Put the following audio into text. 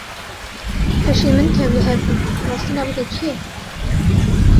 Hişê min tevlihev bû, bi rastî navê te çi ye?